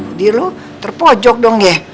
jadi lu terpojok dong ya